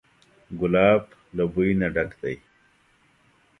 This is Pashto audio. ګلاب له بوی نه ډک دی.